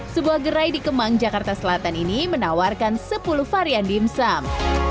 sebuah gerai di kemang jakarta selatan ini menawarkan sepuluh varian dimsum